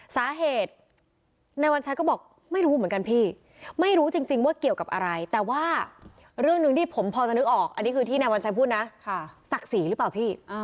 สาเหตุนายวัญชัยก็บอกไม่รู้เหมือนกันพี่ไม่รู้จริงว่าเกี่ยวกับอะไรแต่ว่าเรื่องหนึ่งที่ผมพอจะนึกออกอันนี้คือที่นายวัญชัยพูดนะศักดิ์ศรีหรือเปล่าพี่